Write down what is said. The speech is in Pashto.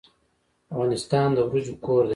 افغانستان د وریجو کور دی.